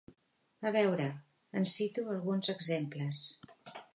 A veure, en cito alguns exemples.